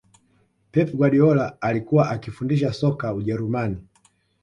pep guardiola alikuwa akifundisha soka ujerumani